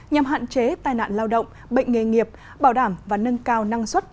nhằm hạn chế tai nạn lao động bệnh nghề nghiệp bảo đảm và nâng cao năng suất